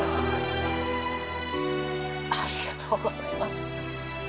ありがとうございます。